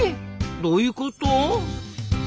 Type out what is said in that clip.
どういうこと？